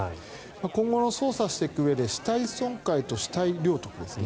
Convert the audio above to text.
今後の捜査をしていくうえで死体損壊と死体領得ですね。